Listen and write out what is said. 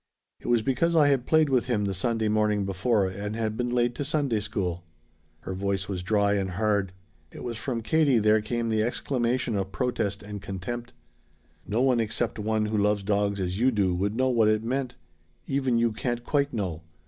It was because I had played with him the Sunday morning before and had been late to Sunday school." Her voice was dry and hard; it was from Katie there came the exclamation of protest and contempt. "No one except one who loves dogs as you do would know what it meant. Even you can't quite know.